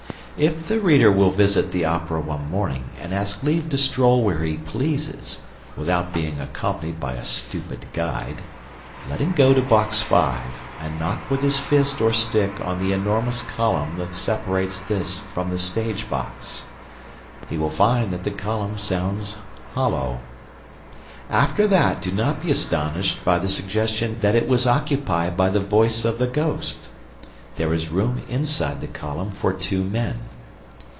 If the reader will visit the Opera one morning and ask leave to stroll where he pleases, without being accompanied by a stupid guide, let him go to Box Five and knock with his fist or stick on the enormous column that separates this from the stage box. He will find that the column sounds hollow. After that, do not be astonished by the suggestion that it was occupied by the voice of the ghost: there is room inside the column for two men.